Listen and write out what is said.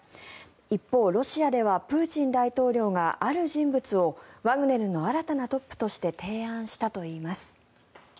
一方、ロシアではプーチン大統領がある人物をワグネルの新たなトップとして提案したといいます。